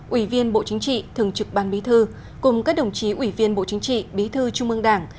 ủy viên bộ chính trị thường trực ban bí thư cùng các đồng chí ủy viên bộ chính trị bí thư trung ương đảng